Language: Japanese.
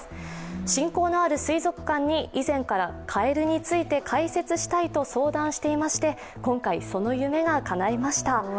親交のある水族館に以前からかえるについて解説したいと相談していまして今回、その夢がかないました。